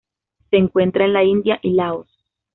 Se encuentra en la India y Laos.